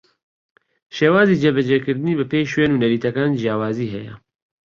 شێوازی جێبەجێکردنی بەپێی شوێن و نەریتەکان جیاوازی ھەیە